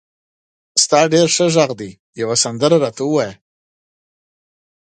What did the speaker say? د تا غږ ښه ده یوه سندره را ته ووایه